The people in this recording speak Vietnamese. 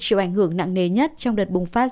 chịu ảnh hưởng nặng nề nhất trong đợt bùng phát